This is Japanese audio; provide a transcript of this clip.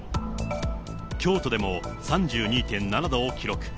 京都でも３２．７度を記録。